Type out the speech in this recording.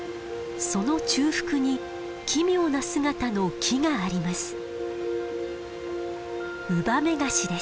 その中腹に奇妙な姿の木があります。